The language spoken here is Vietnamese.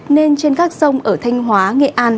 nên trên các sông ở thanh hóa nghệ an